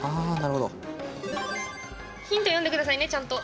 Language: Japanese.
ヒント読んでくださいねちゃんと。